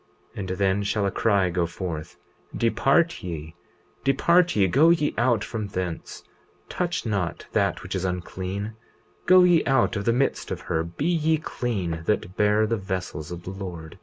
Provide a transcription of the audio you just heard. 20:41 And then shall a cry go forth: Depart ye, depart ye, go ye out from thence, touch not that which is unclean; go ye out of the midst of her; be ye clean that bear the vessels of the Lord.